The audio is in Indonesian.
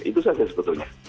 itu saja sebetulnya